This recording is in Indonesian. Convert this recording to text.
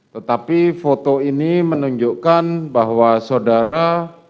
tetapi foto ini menunjukkan bahwa saudara